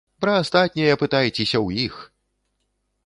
Пра астатняе пытайцеся ў іх!